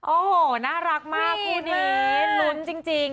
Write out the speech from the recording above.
โอ้โหน่ารักมากคู่นี้ลุ้นจริง